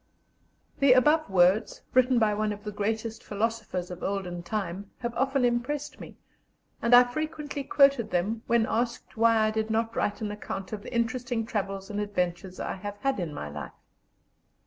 The above words, written by one of the greatest philosophers of olden time, have often impressed me, and I have frequently quoted them when asked why I did not write an account of the interesting travels and adventures I have had in my life.